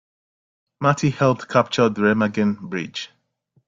Marty helped capture the Remagen Bridge.